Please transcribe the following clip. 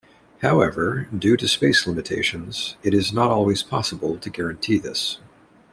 However, due to space limitations, it is not always possible to guarantee this.